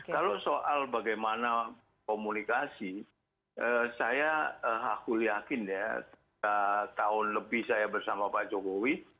kalau soal bagaimana komunikasi saya aku yakin ya tiga tahun lebih saya bersama pak jokowi